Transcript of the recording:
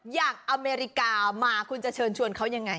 อย่างอเมริกามาคุณจะเชิญชวนเขายังไง